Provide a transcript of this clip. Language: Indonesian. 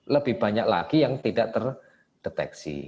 lebih banyak lagi yang tidak terdeteksi